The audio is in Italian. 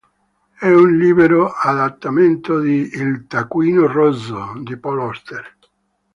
È un libero adattamento de "Il taccuino rosso" di Paul Auster.